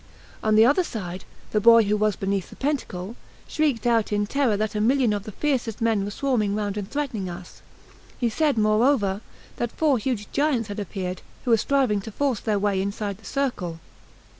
On the other side, the boy, who was beneath the pentacle, shrieked out in terror that a million of the fiercest men were swarming round and threatening us. He said, moreover, that four huge giants had appeared, who were striving to force their way inside the circle.